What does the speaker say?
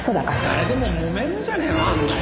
誰でももめるんじゃねえのあんな奴。